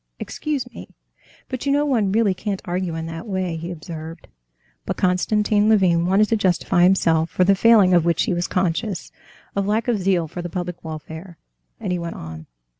"Excuse me, but you know one really can't argue in that way," he observed. But Konstantin Levin wanted to justify himself for the failing, of which he was conscious, of lack of zeal for the public welfare, and he went on.